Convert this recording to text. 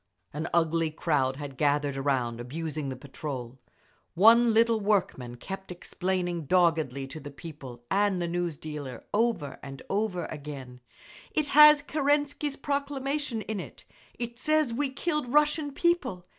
An ugly crowd had gathered around, abusing the patrol. One little workman kept explaining doggedly to the people and the news dealer, over and over again, "It has Kerensky's proclamation in it. It says we killed Russian people.